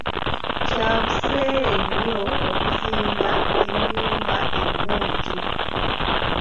Kya buseere nnyo okuzimba ennyumba ennungi .